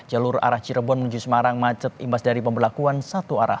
jalur arah cirebon menuju semarang macet imbas dari pembelakuan satu arah